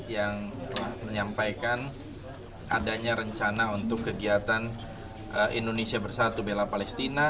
yang telah menyampaikan adanya rencana untuk kegiatan indonesia bersatu bela palestina